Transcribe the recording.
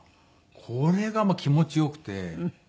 これが気持ち良くて。